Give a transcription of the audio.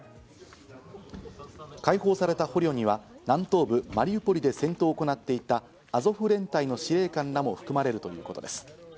解放された捕虜には南東部マリウポリで戦闘を行っていたアゾフ連隊の司令官らも含まれるということです。